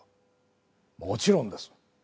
もちろんです。